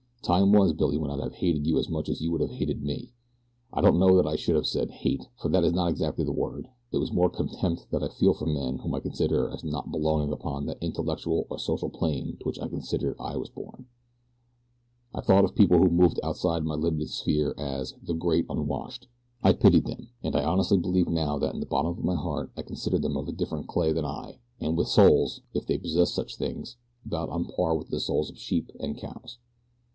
Time was, Billy, when I'd have hated you as much as you would have hated me. I don't know that I should have said hate, for that is not exactly the word. It was more contempt that I felt for men whom I considered as not belonging upon that intellectual or social plane to which I considered I had been born. "I thought of people who moved outside my limited sphere as 'the great unwashed.' I pitied them, and I honestly believe now that in the bottom of my heart I considered them of different clay than I, and with souls, if they possessed such things, about on a par with the souls of sheep and cows.